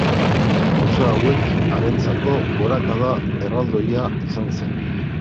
Gauza hauek harentzako gorakada erraldoia izan zen.